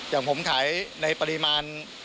อย่างผมขายในปริมาณ